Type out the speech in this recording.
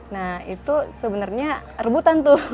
nah itu sebenarnya rebutan tuh